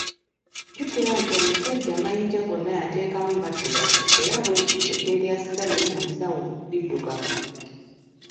Jjukira era nti omusajja amayinja gonna yateekamu maddugavu era bwe kityo n’eryasigadde mu nsawo liddugavu.